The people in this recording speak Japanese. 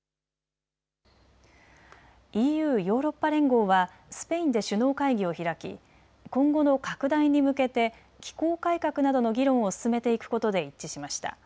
ＥＵ・ヨーロッパ連合はスペインで首脳会議を開き今後の拡大に向けて機構改革などの議論を進めていくことで一致しました。